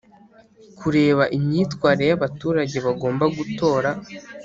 Kureba imyitwarire y abaturage bagomba gutora